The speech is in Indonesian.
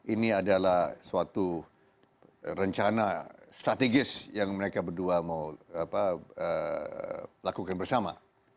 ini adalah suatu rencana strategis yang mereka berdua mau lakukan bersama